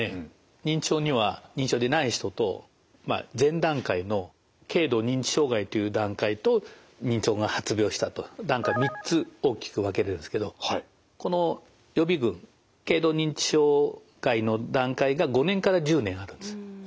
認知症には認知症でない人と前段階の軽度認知障害という段階と認知症が発病したと段階３つ大きく分けれるんですけどこの予備群軽度認知障害の段階が５年から１０年あるんです。